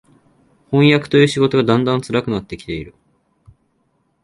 飜訳という仕事がだんだん辛くなって来ている